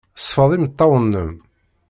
Sfeḍ imeṭṭawen-nnem.